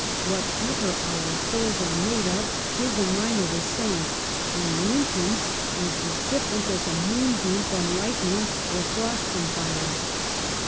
Whatever our souls are made of, his and mine are the same ; and Linton's is as different as a moonbeam from lightning, or frost from fire.'